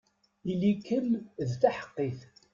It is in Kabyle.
Ili-kem d taḥeqqit!